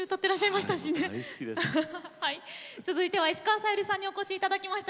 続いては石川さゆりさんにお越し頂きました。